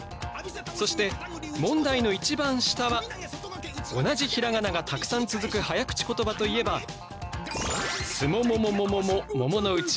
そして問題の一番下は同じひらがながたくさん続く早口言葉といえば「すもももももももものうち」。